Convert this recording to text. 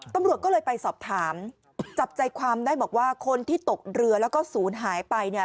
ตำรวจก็เลยไปสอบถามจับใจความได้บอกว่าคนที่ตกเรือแล้วก็ศูนย์หายไปเนี่ย